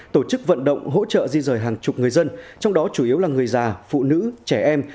tổ chức vận động hỗ trợ di rời hàng chục người dân trong đó chủ yếu là người già phụ nữ trẻ em